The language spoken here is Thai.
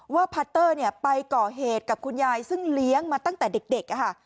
พาร์ตเตอร์ไปก่อเหตุกับคุณยายซึ่งเลี้ยงมาตั้งแต่เด็กค่ะ